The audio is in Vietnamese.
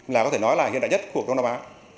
là có thể nói là hiện đại nhất của đông nam á